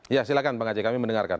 ya silahkan bang haji kami mendengarkan